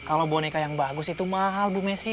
kalau boneka yang bagus itu mahal bu messi